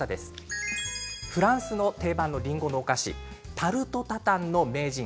フランスの定番のりんごのお菓子タルト・タタンの名人。